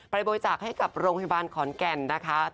บริจาคให้กับโรงพยาบาลขอนแก่นนะคะ